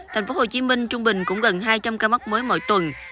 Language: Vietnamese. thành phố hồ chí minh trung bình cũng gần hai trăm linh ca mắc mới mỗi tuần